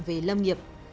về lâm nghiệp